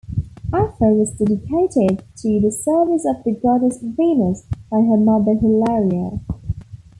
Afra was dedicated to the service of the goddess, Venus, by her mother, Hilaria.